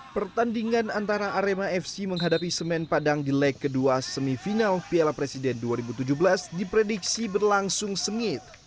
pertandingan antara arema fc menghadapi semen padang di leg kedua semifinal piala presiden dua ribu tujuh belas diprediksi berlangsung sengit